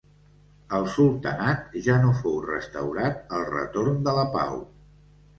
El sultanat ja no fou restaurat al retorn de la pau.